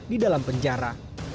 di dalam penjara